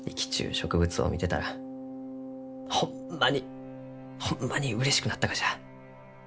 植物を見てたらホンマにホンマにうれしくなったがじゃ。